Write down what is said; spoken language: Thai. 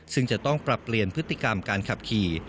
ซึ่งจะต้องปรับเปลี่ยนพฤติกรรมการขับขี่